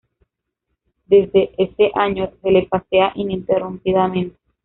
Desde ese año se le pasea ininterrumpidamente.